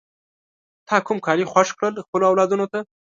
تا کوم کالی خوښ کړل خپلو اولادونو ته؟